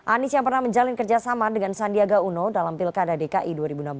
anies yang pernah menjalin kerjasama dengan sandiaga uno dalam pilkada dki dua ribu enam belas